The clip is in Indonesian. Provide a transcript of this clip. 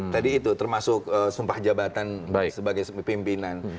tadi itu termasuk sumpah jabatan sebagai pimpinan